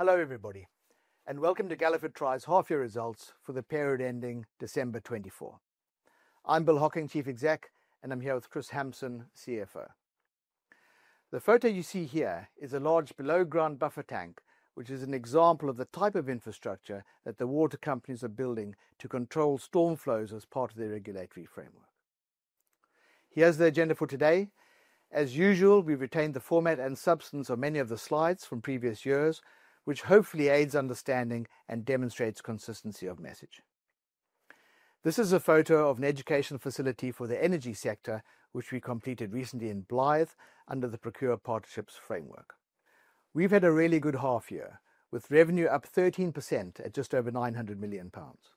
Hello everybody, and welcome to Galliford Try's results for the period ending December 2024. I'm Bill Hocking, Chief Executive, and I'm here with Kris Hampson, CFO. The photo you see here is a large below-ground buffer tank, which is an example of the type of infrastructure that the water companies are building to control storm flows as part of their regulatory framework. Here is the agenda for today. As usual, we retain the format and substance of many of the slides from previous years, which hopefully aids understanding and demonstrates consistency of message. This is a photo of an education facility for the energy sector, which we completed recently in Blyth under the Procure Partnerships Framework. We've had a really good half year, with revenue up 13% at just over 900 million pounds.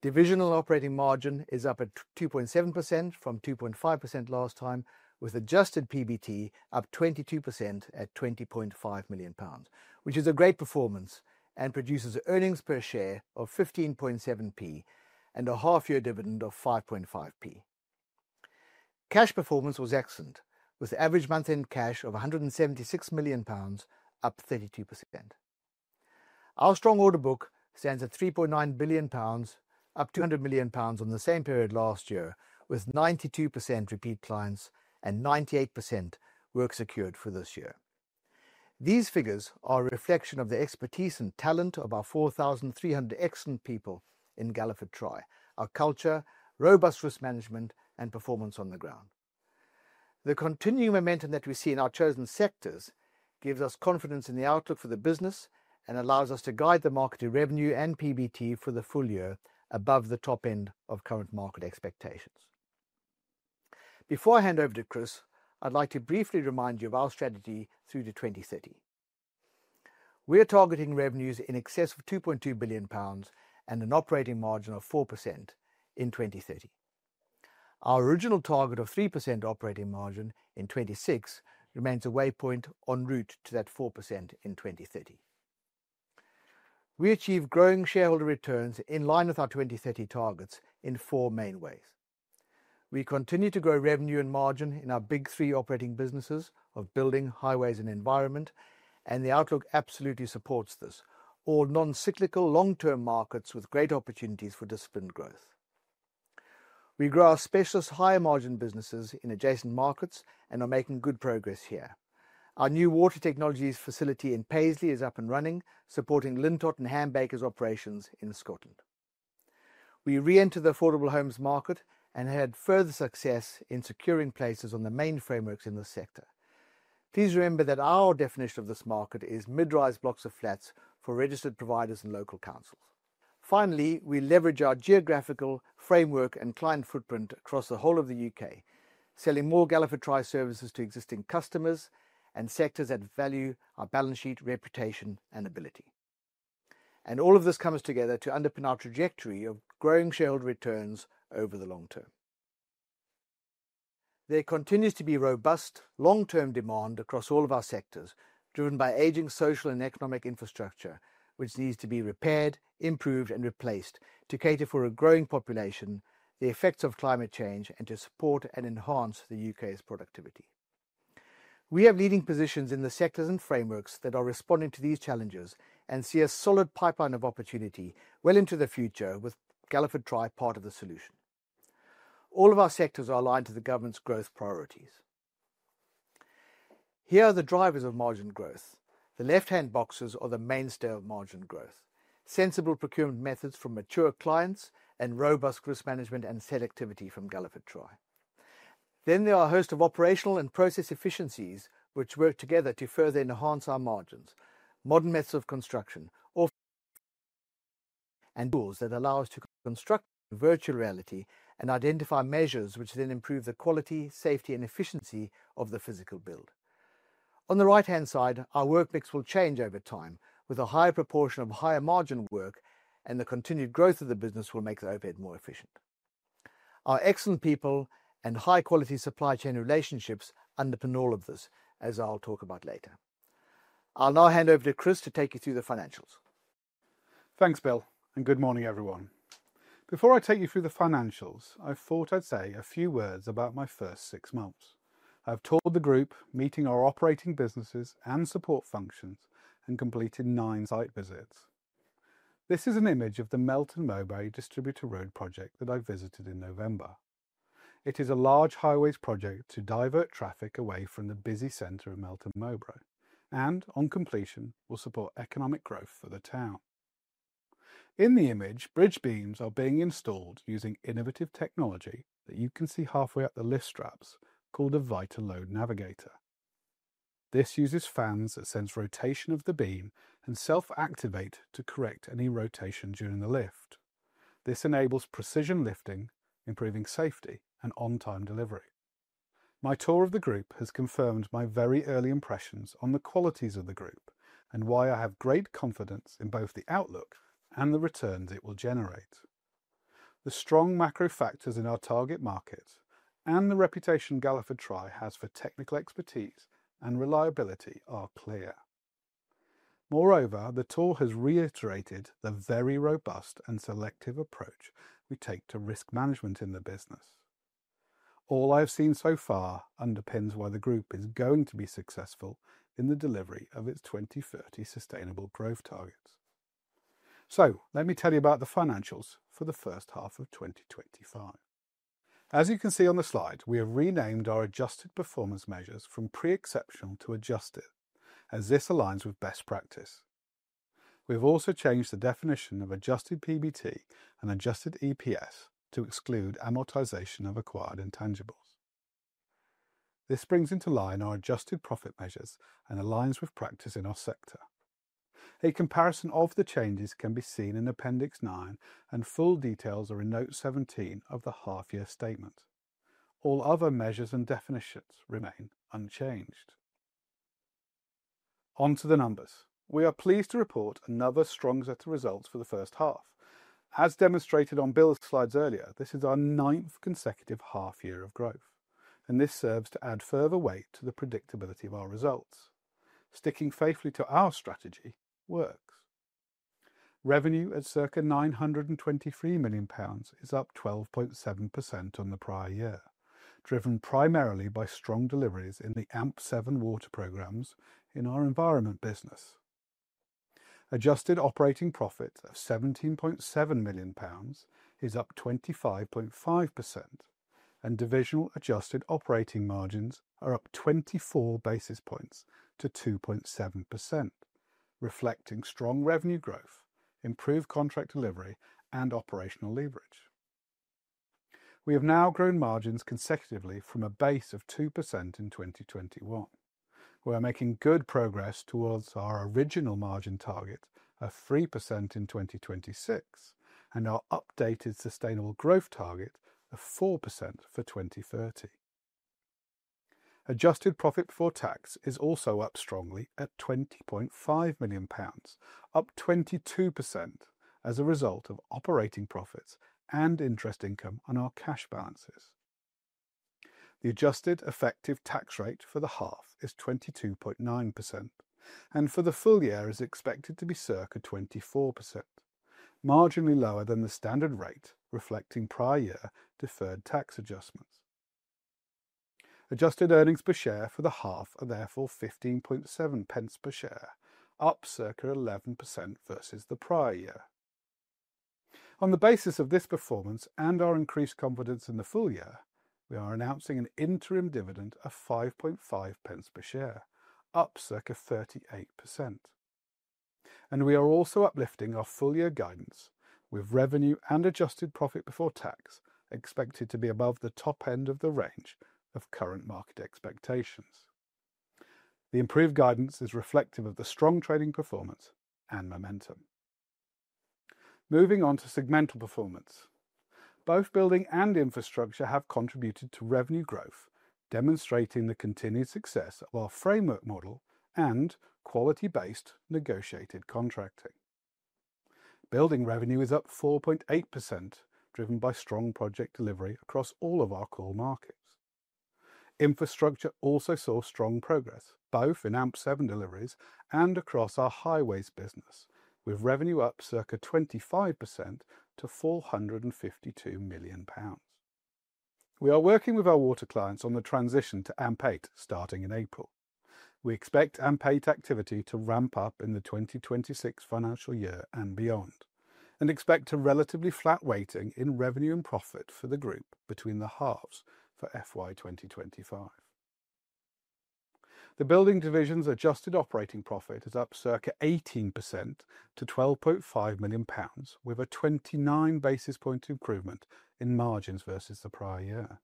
Divisional operating margin is up at 2.7% from 2.5% last time, with adjusted PBT up 22% at 20.5 million pounds, which is a great performance and produces earnings per share of 15.7% and a half-year dividend of 5.5%. Cash performance was excellent, with average month-end cash of 176 million pounds up 32%. Our strong order book stands at 3.9 billion pounds, up 200 million pounds on the same period last year, with 92% repeat clients and 98% work secured for this year. These figures are a reflection of the expertise and talent of our 4,300 excellent people in Galliford Try, our culture, robust risk management, and performance on the ground. The continuing momentum that we see in our chosen sectors gives us confidence in the outlook for the business and allows us to guide the market to revenue and PBT for the full year above the top end of current market expectations. Before I hand over to Kris, I'd like to briefly remind you of our strategy through to 2030. We're targeting revenues in excess of 2.2 billion pounds and an operating margin of 4% in 2030. Our original target of 3% operating margin in 2026 remains a waypoint en route to that 4% in 2030. We achieve growing shareholder returns in line with our 2030 targets in four main ways. We continue to grow revenue and margin in our big three operating businesses of building, highways, and environment, and the outlook absolutely supports this: all non-cyclical, long-term markets with great opportunities for disciplined growth. We grow our specialist higher margin businesses in adjacent markets and are making good progress here. Our new water technologies facility in Paisley is up and running, supporting Lintott and Ham Baker's operations in Scotland. We re-enter the affordable homes market and had further success in securing places on the main frameworks in the sector. Please remember that our definition of this market is mid-rise blocks of flats for registered providers and local councils. Finally, we leverage our geographical framework and client footprint across the whole of the U.K., selling more Galliford Try services to existing customers and sectors that value our balance sheet, reputation, and ability. All of this comes together to underpin our trajectory of growing shareholder returns over the long term. There continues to be robust long-term demand across all of our sectors, driven by aging social and economic infrastructure, which needs to be repaired, improved, and replaced to cater for a growing population, the effects of climate change, and to support and enhance the U.K.'s productivity. We have leading positions in the sectors and frameworks that are responding to these challenges and see a solid pipeline of opportunity well into the future, with Galliford Try part of the solution. All of our sectors are aligned to the government's growth priorities. Here are the drivers of margin growth. The left-hand boxes are the mainstay of margin growth: sensible procurement methods from mature clients and robust risk management and selectivity from Galliford Try. There are a host of operational and process efficiencies which work together to further enhance our margins: modern methods of construction and tools that allow us to construct in virtual reality and identify measures which then improve the quality, safety, and efficiency of the physical build. On the right-hand side, our work mix will change over time, with a higher proportion of higher margin work, and the continued growth of the business will make the overhead more efficient. Our excellent people and high-quality supply chain relationships underpin all of this, as I'll talk about later. I'll now hand over to Kris to take you through the financials. Thanks, Bill, and good morning, everyone. Before I take you through the financials, I thought I'd say a few words about my first 6 months. I've toured the group, meeting our operating businesses and support functions, and completed nine site visits. This is an image of the Melton Mowbray Distributor Road project that I visited in November. It is a large highway project to divert traffic away from the busy center of Melton Mowbray and, on completion, will support economic growth for the town. In the image, bridge beams are being installed using innovative technology that you can see halfway up the lift straps called a Vita Load Navigator. This uses fans that sense rotation of the beam and self-activate to correct any rotation during the lift. This enables precision lifting, improving safety and on-time delivery. My tour of the group has confirmed my very early impressions on the qualities of the group and why I have great confidence in both the outlook and the returns it will generate. The strong macro factors in our target market and the reputation Galliford Try has for technical expertise and reliability are clear. Moreover, the tour has reiterated the very robust and selective approach we take to risk management in the business. All I have seen so far underpins why the group is going to be successful in the delivery of its 2030 sustainable growth targets. Let me tell you about the financials for the first half of 2025. As you can see on the slide, we have renamed our adjusted performance measures from pre-exceptional to adjusted, as this aligns with best practice. Have also changed the definition of adjusted PBT and adjusted EPS to exclude amortization of acquired intangibles. This brings into line our adjusted profit measures and aligns with practice in our sector. A comparison of the changes can be seen in Appendix 9, and full details are in Note 17 of the half-year statement. All other measures and definitions remain unchanged. Onto the numbers. We are pleased to report another strong set of results for the first half. As demonstrated on Bill's slides earlier, this is our ninth consecutive half-year of growth, and this serves to add further weight to the predictability of our results. Sticking faithfully to our strategy works. Revenue at circa GBP 923 million is up 12.7% on the prior year, driven primarily by strong deliveries in the AMP7 water programs in our environment business. Adjusted operating profit of GBP 17.7 million is up 25.5%, and divisional adjusted operating margins are up 24 basis points to 2.7%, reflecting strong revenue growth, improved contract delivery, and operational leverage. We have now grown margins consecutively from a base of 2% in 2021. We are making good progress towards our original margin target of 3% in 2026 and our updated sustainable growth target of 4% for 2030. Adjusted profit before tax is also up strongly at 20.5 million pounds, up 22% as a result of operating profits and interest income on our cash balances. The adjusted effective tax rate for the half is 22.9%, and for the full year is expected to be circa 24%, marginally lower than the standard rate, reflecting prior year deferred tax adjustments. Adjusted earnings per share for the half are therefore 15.7 per share, up circa 11% versus the prior year. On the basis of this performance and our increased confidence in the full year, we are announcing an interim dividend of 5.5 per share, up circa 38%. We are also uplifting our full year guidance, with revenue and adjusted profit before tax expected to be above the top end of the range of current market expectations. The improved guidance is reflective of the strong trading performance and momentum. Moving on to segmental performance, both building and infrastructure have contributed to revenue growth, demonstrating the continued success of our framework model and quality-based negotiated contracting. Building revenue is up 4.8%, driven by strong project delivery across all of our core markets. Infrastructure also saw strong progress, both in AMP7 deliveries and across our highways business, with revenue up circa 25% to 452 million pounds. We are working with our water clients on the transition to AMP8 starting in April. We expect AMP8 activity to ramp up in the 2026 financial year and beyond, and expect a relatively flat weighting in revenue and profit for the group between the halves for FY 2025. The building division's adjusted operating profit is up circa 18% to 12.5 million pounds, with a 29 basis point improvement in margins versus the prior year.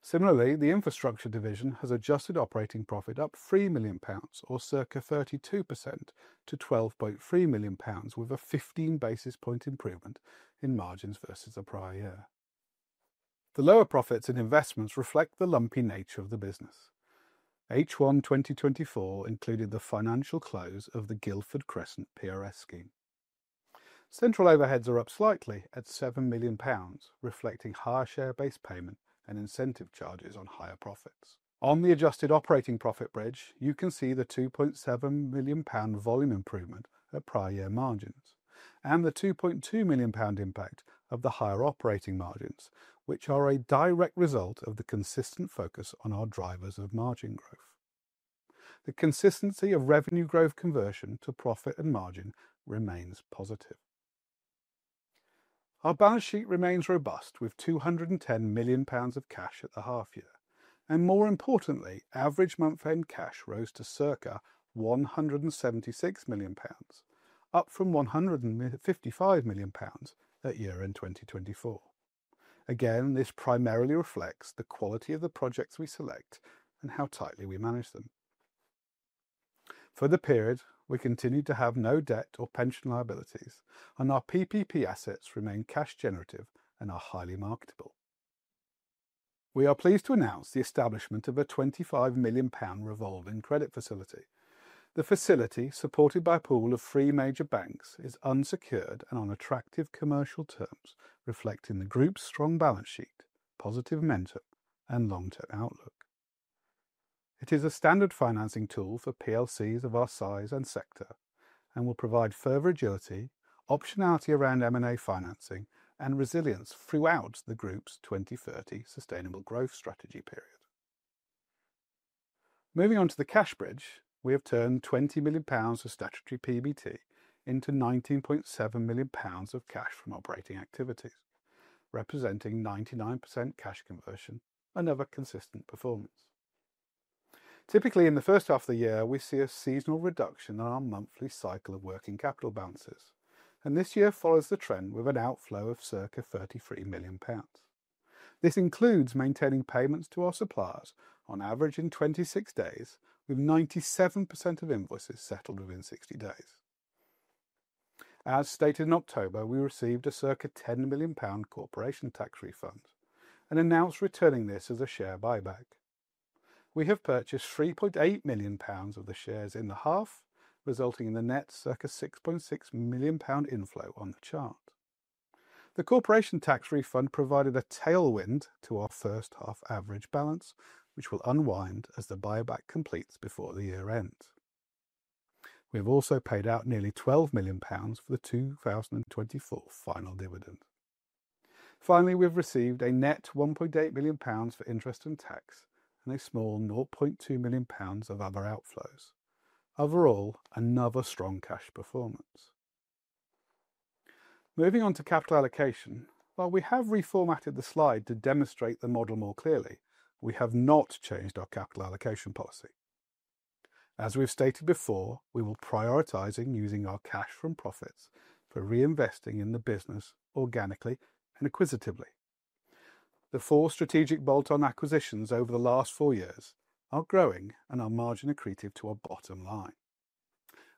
Similarly, the infrastructure division has adjusted operating profit up 3 million pounds, or circa 32% to 12.3 million pounds, with a 15 basis point improvement in margins versus the prior year. The lower profits and investments reflect the lumpy nature of the business. H1 2024 included the financial close of the Guildford Crescent PRS scheme. Central overheads are up slightly at 7 million pounds, reflecting higher share-based payment and incentive charges on higher profits. On the adjusted operating profit bridge, you can see the 2.7 million pound volume improvement at prior year margins and the 2.2 million pound impact of the higher operating margins, which are a direct result of the consistent focus on our drivers of margin growth. The consistency of revenue growth, conversion to profit, and margin remains positive. Our balance sheet remains robust, with 210 million pounds of cash at the half-year, and more importantly, average month-end cash rose to circa GBP 176 million, up from GBP 155 million that year in 2024. Again, this primarily reflects the quality of the projects we select and how tightly we manage them. For the period, we continued to have no debt or pension liabilities, and our PPP assets remain cash generative and are highly marketable. We are pleased to announce the establishment of a 25 million pound revolving credit facility. The facility, supported by a pool of three major banks, is unsecured and on attractive commercial terms, reflecting the group's strong balance sheet, positive mentor, and long-term outlook. It is a standard financing tool for PLCs of our size and sector and will provide further agility, optionality around M&A financing, and resilience throughout the group's 2030 sustainable growth strategy period. Moving on to the cash bridge, we have turned 20 million pounds of statutory PBT into 19.7 million pounds of cash from operating activities, representing 99% cash conversion, another consistent performance. Typically, in the first half of the year, we see a seasonal reduction in our monthly cycle of working capital balances, and this year follows the trend with an outflow of circa 33 million pounds. This includes maintaining payments to our suppliers on average in 26 days, with 97% of invoices settled within 60 days. As stated in October, we received a circa 10 million pound corporation tax refund and announced returning this as a share buyback. We have purchased 3.8 million pounds of the shares in the half, resulting in the net circa 6.6 million pound inflow on the chart. The corporation tax refund provided a tailwind to our first-half average balance, which will unwind as the buyback completes before the year ends. We have also paid out nearly 12 million pounds for the 2024 final dividend. Finally, we've received a net GBP 1.8 million for interest and tax and a small GBP 0.2 million of other outflows. Overall, another strong cash performance. Moving on to capital allocation, while we have reformatted the slide to demonstrate the model more clearly, we have not changed our capital allocation policy. As we've stated before, we will prioritise using our cash from profits for reinvesting in the business organically and acquisitively. The four strategic bolt-on acquisitions over the last four years are growing and are margin accretive to our bottom line.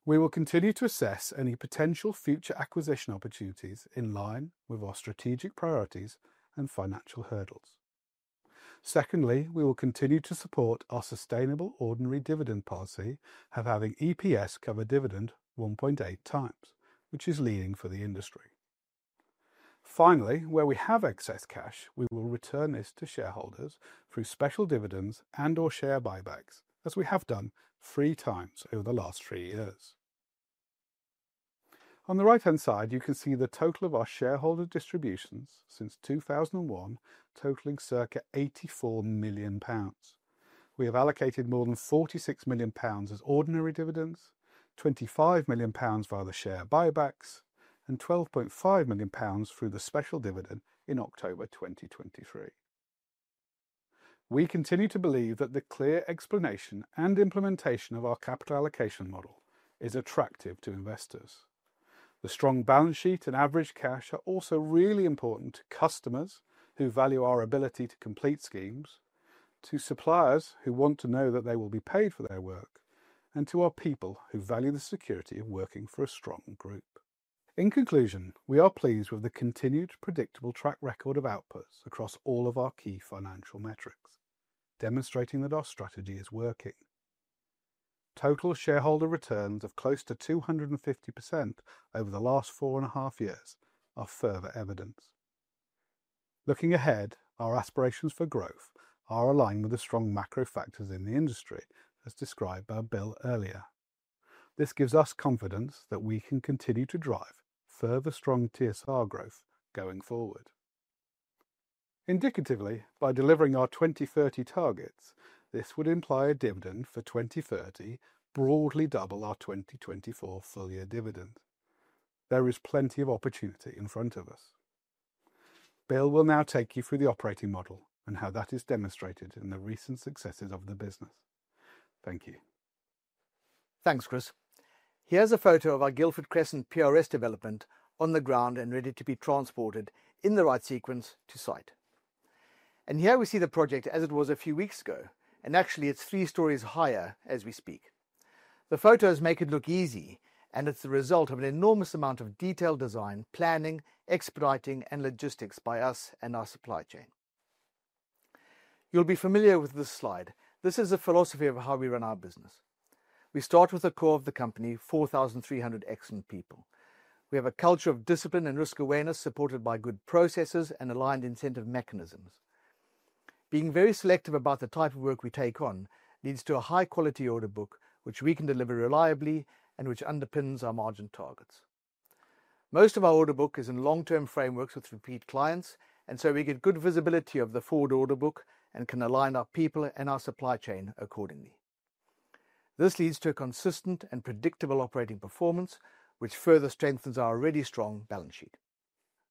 We will continue to assess any potential future acquisition opportunities in line with our strategic priorities and financial hurdles. Secondly, we will continue to support our sustainable ordinary dividend policy, having EPS cover dividend 1.8x, which is leading for the industry. Finally, where we have excess cash, we will return this to shareholders through special dividends and/or share buybacks, as we have done three times over the last three years. On the right-hand side, you can see the total of our shareholder distributions since 2001, totaling circa 84 million pounds. We have allocated more than 46 million pounds as ordinary dividends, 25 million pounds via the share buybacks, and 12.5 million pounds through the special dividend in October 2023. We continue to believe that the clear explanation and implementation of our capital allocation model is attractive to investors. The strong balance sheet and average cash are also really important to customers who value our ability to complete schemes, to suppliers who want to know that they will be paid for their work, and to our people who value the security of working for a strong group. In conclusion, we are pleased with the continued predictable track record of outputs across all of our key financial metrics, demonstrating that our strategy is working. Total shareholder returns of close to 250% over the last four and a half years are further evidence. Looking ahead, our aspirations for growth are aligned with the strong macro factors in the industry, as described by Bill earlier. This gives us confidence that we can continue to drive further strong TSR growth going forward. Indicatively, by delivering our 2030 targets, this would imply a dividend for 2030 broadly double our 2024 full-year dividend. There is plenty of opportunity in front of us. Bill will now take you through the operating model and how that is demonstrated in the recent successes of the business. Thank you. Thanks, Kris. Here is a photo of our Guildford Crescent PRS development on the ground and ready to be transported in the right sequence to site. Here we see the project as it was a few weeks ago, and actually, it is three stories higher as we speak. The photos make it look easy, and it is the result of an enormous amount of detailed design, planning, expediting, and logistics by us and our supply chain. You will be familiar with this slide. This is a philosophy of how we run our business. We start with the core of the company, 4,300 excellent people. We have a culture of discipline and risk awareness supported by good processes and aligned incentive mechanisms. Being very selective about the type of work we take on leads to a high-quality order book, which we can deliver reliably and which underpins our margin targets. Most of our order book is in long-term frameworks with repeat clients, and so we get good visibility of the forward order book and can align our people and our supply chain accordingly. This leads to a consistent and predictable operating performance, which further strengthens our already strong balance sheet.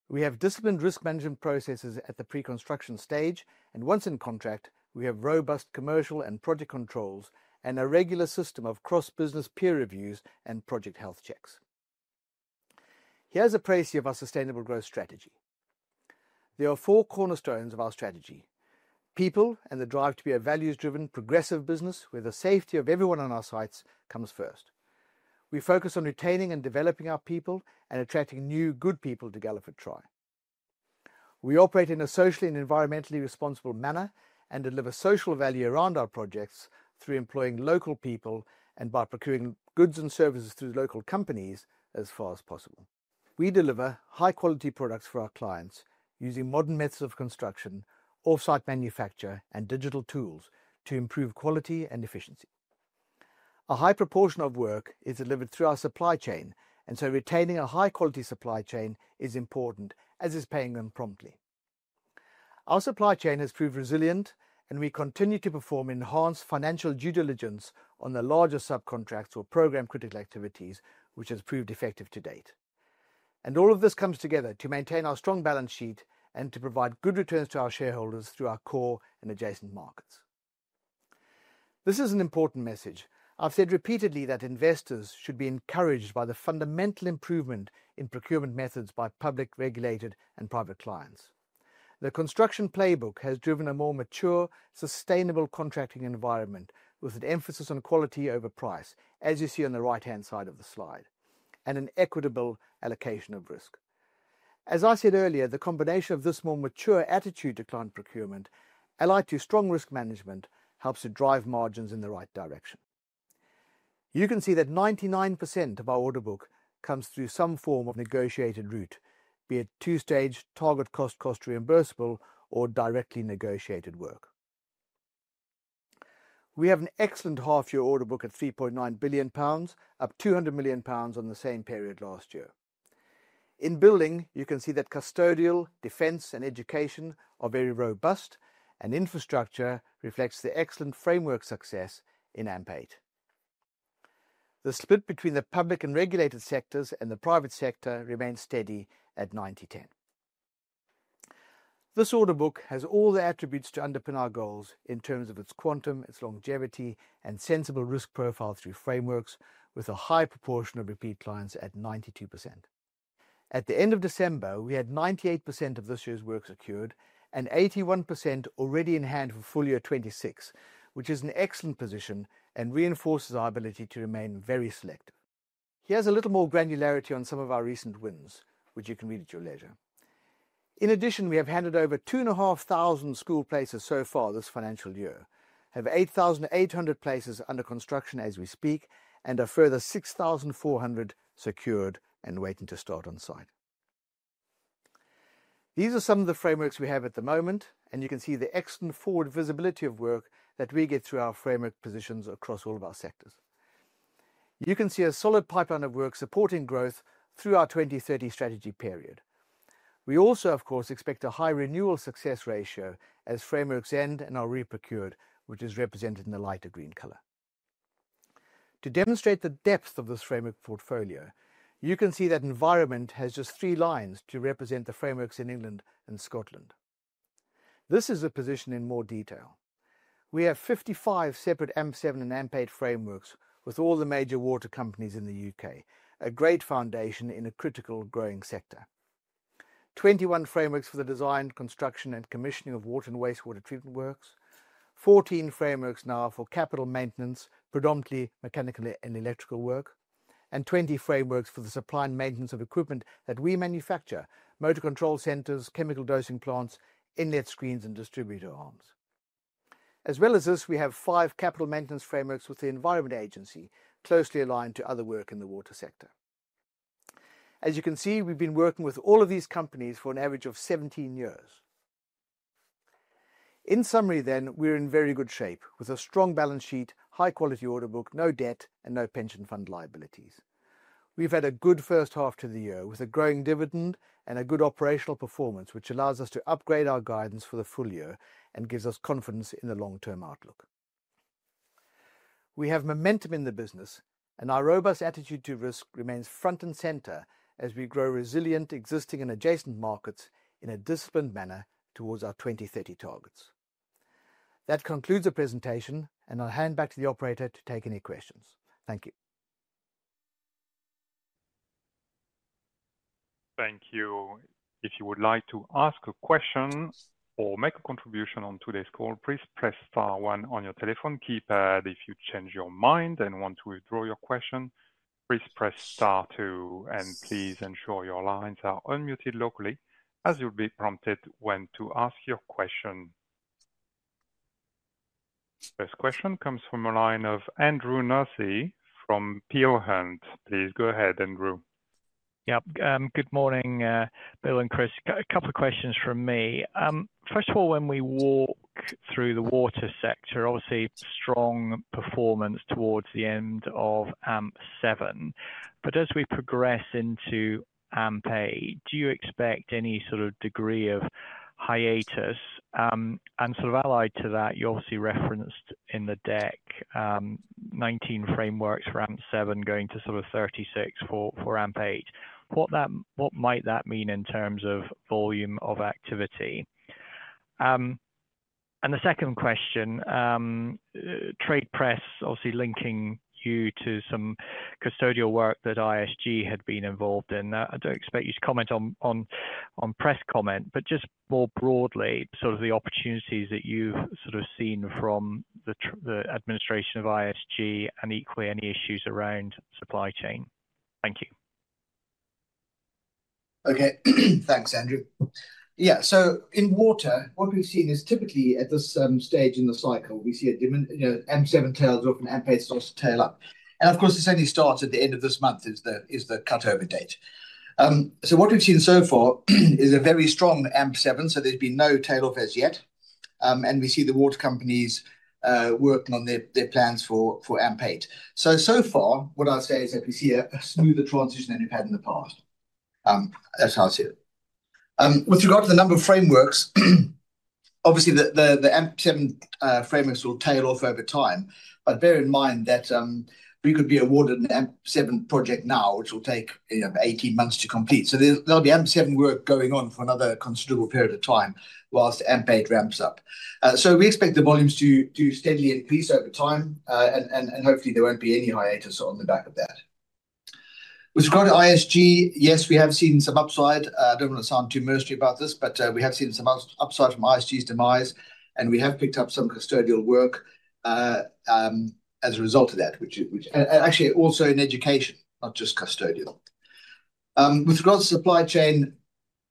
We have disciplined risk management processes at the pre-construction stage, and once in contract, we have robust commercial and project controls and a regular system of cross-business peer reviews and project health checks. Here's a preview of our sustainable growth strategy. There are four cornerstones of our strategy: people and the drive to be a values-driven, progressive business where the safety of everyone on our sites comes first. We focus on retaining and developing our people and attracting new good people to Galliford Try. We operate in a socially and environmentally responsible manner and deliver social value around our projects through employing local people and by procuring goods and services through local companies as far as possible. We deliver high-quality products for our clients using modern methods of construction, off-site manufacture, and digital tools to improve quality and efficiency. A high proportion of work is delivered through our supply chain, and so retaining a high-quality supply chain is important, as is paying them promptly. Our supply chain has proved resilient, and we continue to perform enhanced financial due diligence on the larger subcontracts or program critical activities, which has proved effective to date. All of this comes together to maintain our strong balance sheet and to provide good returns to our shareholders through our core and adjacent markets. This is an important message. I have said repeatedly that investors should be encouraged by the fundamental improvement in procurement methods by public, regulated, and private clients. The Construction Playbook has driven a more mature, sustainable contracting environment with an emphasis on quality over price, as you see on the right-hand side of the slide, and an equitable allocation of risk. As I said earlier, the combination of this more mature attitude to client procurement, allied to strong risk management, helps to drive margins in the right direction. You can see that 99% of our order book comes through some form of negotiated route, be it two-stage target cost, cost reimbursable, or directly negotiated work. We have an excellent half-year order book at 3.9 billion pounds, up 200 million pounds on the same period last year. In building, you can see that custodial, defence, and education are very robust, and infrastructure reflects the excellent framework success in AMP8. The split between the public and regulated sectors and the private sector remains steady at 90/10. This order book has all the attributes to underpin our goals in terms of its quantum, its longevity, and a sensible risk profile through frameworks, with a high proportion of repeat clients at 92%. At the end of December, we had 98% of this year's work secured and 81% already in hand for full-year 2026, which is an excellent position and reinforces our ability to remain very selective. Here's a little more granularity on some of our recent wins, which you can read at your leisure. In addition, we have handed over 2,500 school places so far this financial year, have 8,800 places under construction as we speak, and a further 6,400 secured and waiting to start on site. These are some of the frameworks we have at the moment, and you can see the excellent forward visibility of work that we get through our framework positions across all of our sectors. You can see a solid pipeline of work supporting growth through our 2030 strategy period. We also, of course, expect a high renewal success ratio as frameworks end and are reprocured, which is represented in the lighter green color. To demonstrate the depth of this framework portfolio, you can see that environment has just three lines to represent the frameworks in England and Scotland. This is a position in more detail. We have 55 separate AMP7 and AMP8 frameworks with all the major water companies in the U.K., a great foundation in a critical growing sector. Twenty-one frameworks for the design, construction, and commissioning of water and wastewater treatment works, 14 frameworks now for capital maintenance, predominantly mechanical and electrical work, and 20 frameworks for the supply and maintenance of equipment that we manufacture: motor control centers, chemical dosing plants, inlet screens, and distributor arms. As well as this, we have five capital maintenance frameworks with the Environment Agency, closely aligned to other work in the water sector. As you can see, we've been working with all of these companies for an average of 17 years. In summary, then, we're in very good shape with a strong balance sheet, high-quality order book, no debt, and no pension fund liabilities. We've had a good first half to the year with a growing dividend and a good operational performance, which allows us to upgrade our guidance for the full year and gives us confidence in the long-term outlook. We have momentum in the business, and our robust attitude to risk remains front and center as we grow resilient existing and adjacent markets in a disciplined manner towards our 2030 targets. That concludes the presentation, and I'll hand back to the operator to take any questions. Thank you. Thank you. If you would like to ask a question or make a contribution on today's call, please press star one on your telephone keypad. If you change your mind and want to withdraw your question, please press star two, and please ensure your lines are unmuted locally, as you'll be prompted when to ask your question. First question comes from a line of Andrew Nussey from Peel Hunt, please go ahead, Andrew. Yep, good morning, Bill and Kris. A couple of questions from me. First of all, when we walk through the water sector, obviously strong performance towards the end of AMP7, but as we progress into AMP8, do you expect any sort of degree of hiatus? And sort of allied to that, you obviously referenced in the deck 19 frameworks for AMP7 going to sort of 36 for AMP8. What might that mean in terms of volume of activity? The second question, trade press obviously linking you to some custodial work that ISG had been involved in. I do not expect you to comment on press comment, but just more broadly, sort of the opportunities that you have sort of seen from the administration of ISG and equally any issues around supply chain. Thank you. Okay, thanks, Andrew. Yeah, in water, what we have seen is typically at this stage in the cycle, we see AMP7 tailed off and AMP8 starts to tail up. Of course, it has only started, the end of this month is the cutover date. What we have seen so far is a very strong AMP7, so there has been no tail off as yet, and we see the water companies working on their plans for AMP8. So far, what I'd say is that we see a smoother transition than we've had in the past, that's how I see it. With regard to the number of frameworks, obviously the AMP7 frameworks will tail off over time, but bear in mind that we could be awarded an AMP7 project now, which will take 18 months to complete. There will be AMP7 work going on for another considerable period of time whilst AMP8 ramps up. We expect the volumes to steadily increase over time, and hopefully there won't be any hiatus on the back of that. With regard to ISG, yes, we have seen some upside. I don't want to sound too merciless about this, but we have seen some upside from ISG's demise, and we have picked up some custodial work as a result of that, which actually also in education, not just custodial. With regard to supply chain,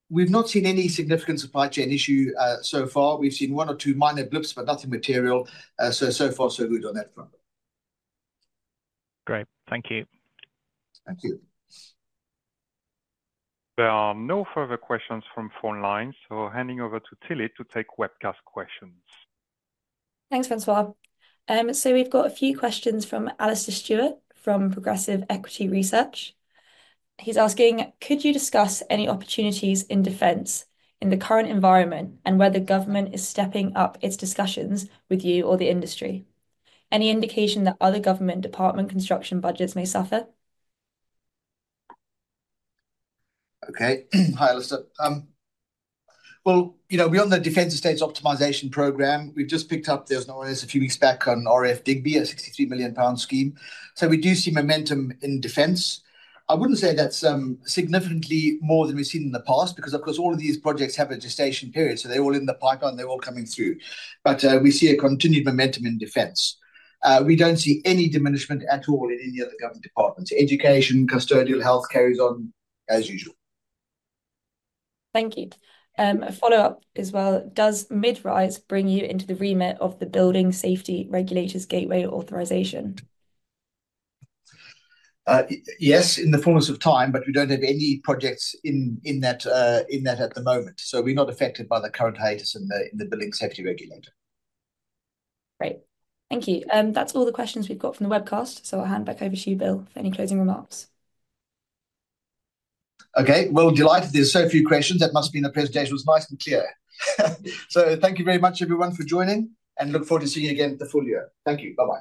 we've not seen any significant supply chain issue so far. We've seen one or two minor blips, but nothing material. So far, so good on that front. Great, thank you. Thank you. There are no further questions from phone lines, so handing over to Tilly to take webcast questions. Thanks, Francoise. We've got a few questions from Alastair Stewart from Progressive Equity Research. He's asking, could you discuss any opportunities in defence in the current environment, and whether the government is stepping up its discussions with you or the industry? Any indication that other government department construction budgets may suffer? Okay, Hi Alastair. You know, we're on the Defence Estate Optimisation program. We've just picked up, there's not only this a few weeks back on RAF Digby a 63 million pound scheme. We do see momentum in defence. I wouldn't say that's significantly more than we've seen in the past because, of course, all of these projects have a gestation period, so they're all in the pipeline, they're all coming through. We see a continued momentum in defence. We don't see any diminishment at all in any of the government departments. Education, custodial, health carries on as usual. Thank you. A follow-up as well, does mid-rise bring you into the remit of the Building Safety Regulator's gateway authorisation? Yes, in the fullness of time, but we don't have any projects in that at the moment. We're not affected by the current hiatus in the building safety regulator. Great, thank you. That's all the questions we've got from the webcast, so I'll hand back over to you, Bill, for any closing remarks. Okay, delighted there's so few questions. That must have been the presentation was nice and clear. Thank you very much, everyone, for joining, and look forward to seeing you again at the full year. Thank you very much.